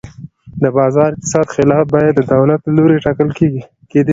د بازار اقتصاد خلاف بیې د دولت له لوري ټاکل کېدې.